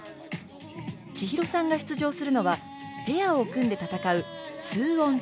千尋さんが出場するのは、ペアを組んで戦う２ｏｎ２。